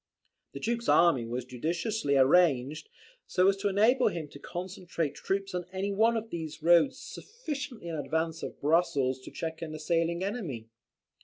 The Duke's army was judiciously arranged, so as to enable him to concentrate troops on any one of these roads sufficiently in advance of Brussels to check an assailing enemy.